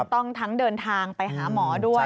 ทั้งเดินทางไปหาหมอด้วย